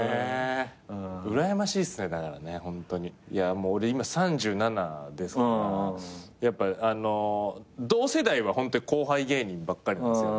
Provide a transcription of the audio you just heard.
もう俺今３７ですからやっぱあのう同世代はホントに後輩芸人ばっかりなんですよね。